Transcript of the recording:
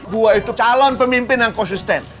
dua itu calon pemimpin yang konsisten